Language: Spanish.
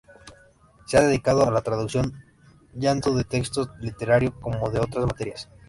Se ha dedicado a la traducción tanto de textos literarios como de otras materias.